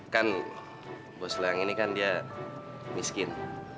kan bos lo yang ini kan dia miskin